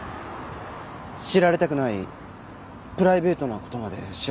知られたくないプライベートな事まで調べて。